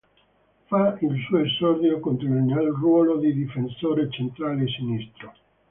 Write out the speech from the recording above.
Fa il suo esordio contro il nel ruolo di difensore centrale sinistro.